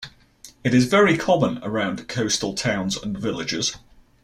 It is very common around coastal towns and villages.